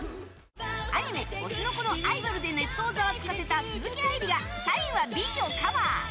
アニメ「推しの子」の「アイドル」でネットをざわつかせた鈴木愛理が「サインはＢ」をカバー！